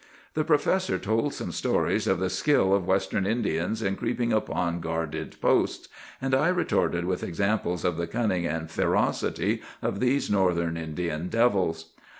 "The professor told some stories of the skill of Western Indians in creeping upon guarded posts, and I retorted with examples of the cunning and ferocity of these Northern Indian devils.